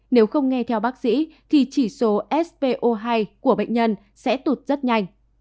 nếu không nghe theo bác sĩ thì chỉ số spo hai của bệnh nhân sẽ tụt rất nhanh